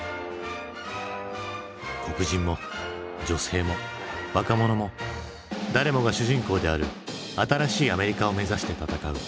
黒人も女性も若者も誰もが主人公である新しいアメリカを目指して闘う